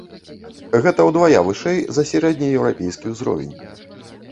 Гэта ўдвая вышэй за сярэднееўрапейскі ўзровень.